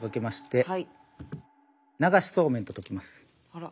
あら。